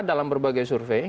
dalam berbagai survei